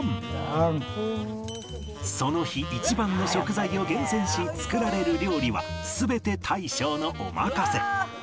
その日一番の食材を厳選し作られる料理は全て大将のお任せ